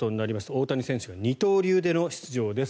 大谷選手が二刀流での出場です。